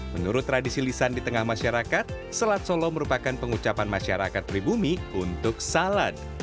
menurut tradisi lisan di tengah masyarakat selat solo merupakan pengucapan masyarakat pribumi untuk salat